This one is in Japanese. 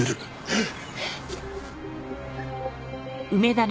えっ！？